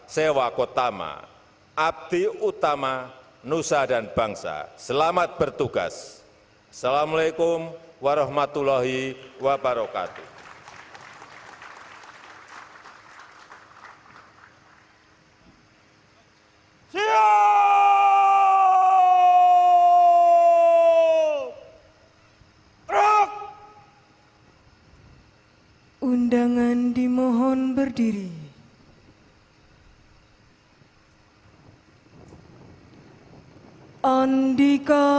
penghormatan kepada panji panji kepolisian negara republik indonesia tri brata